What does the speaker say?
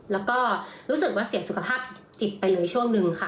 แล้วก็รู้สึกว่าเสียสุขภาพจิตไปเลยช่วงนึงค่ะ